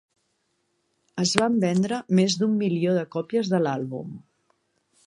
Es van vendre més d'un milió de còpies de l'àlbum.